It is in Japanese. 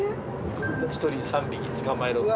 １人３匹つかまえろとか。